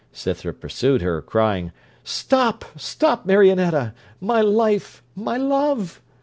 Scythrop pursued her, crying, 'Stop, stop, Marionetta my life, my love!'